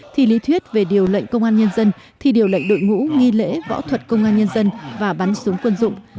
thi lý thuyết về điều lệnh công an nhân dân thi điều lệnh đội ngũ nghi lễ võ thuật công an nhân dân và bắn súng quân dụng